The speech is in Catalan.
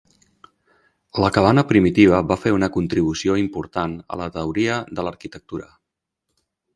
La cabana primitiva va fer una contribució important a la teoria de l'arquitectura.